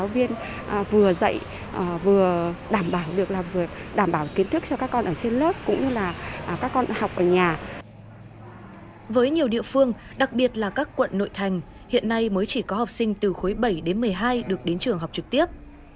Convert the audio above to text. với nhiều địa phương đặc biệt là các quận nội thành hiện nay mới chỉ có học sinh từ khối bảy đến một mươi hai được đến trường học trực tiếp